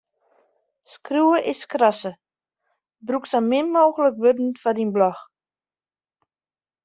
Skriuwe is skrasse: brûk sa min mooglik wurden foar dyn blog.